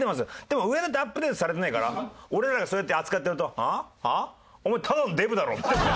でも上田ってアップデートされてないから俺らがそうやって扱ってると「は？は？お前ただのデブだろ」。